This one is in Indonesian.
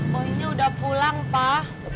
boynya udah pulang pak